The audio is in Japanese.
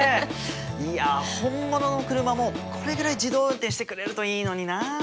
いや本物の車もこれぐらい自動運転してくれるといいのになあ。